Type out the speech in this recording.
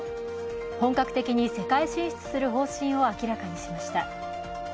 本格的に世界進出する方針を明らかにしました